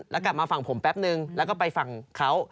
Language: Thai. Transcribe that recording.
แล้วกลับมาฝั่งผมแป๊บนึงแล้วก็ไปฝั่งเขา